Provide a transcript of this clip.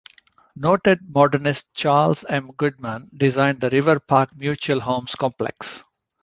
Noted modernist Charles M. Goodman designed the River Park Mutual Homes complex.